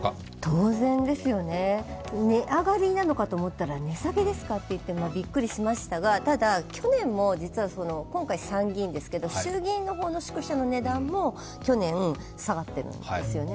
当然ですよね、値上がりなのかと思ったら値下げですかっていって、びっくりしましたが、ただ去年も実は今回参議院ですけれども、衆議院の方の宿舎の値段も去年下がっているんですよね。